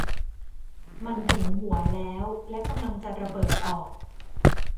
มันถึงหัวแล้วและกำลังจะระเบิดออก !